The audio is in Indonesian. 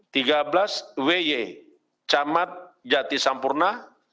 tiga belas wy camat jati sampurna